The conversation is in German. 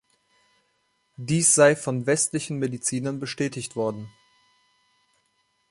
Dies sei von westlichen Medizinern bestätigt worden.